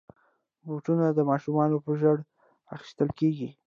بوټونه د ماشومانو په ژړا اخیستل کېږي.